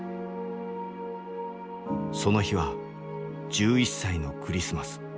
その日は１１歳のクリスマス。